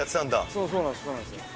そう、そうなんです。